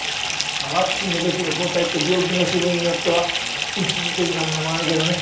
ワクチンでできる抗体って病気の種類によっては一時的なものもあるけどね。